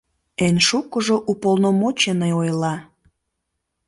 Эн шукыжо уполномоченный ойла.